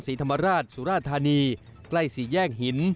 สิทธิธรรมราชสุฬาธรรมนี